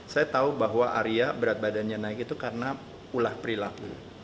saya tahu bahwa arya berat badannya naik itu karena ulah perilaku